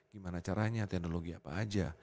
gimana caranya teknologi apa aja